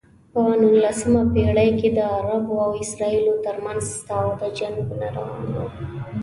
په نولسمه پېړۍ کې د عربو او اسرائیلو ترمنځ تاوده جنګونه روان و.